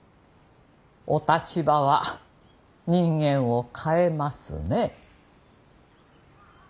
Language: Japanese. お立場は人間を変えますね。